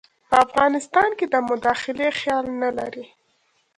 په افغانستان کې د مداخلې خیال نه لري.